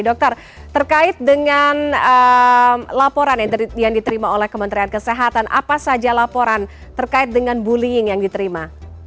dokter terkait dengan laporan yang diterima oleh kementerian kesehatan apa saja laporan terkait dengan bullying yang diterima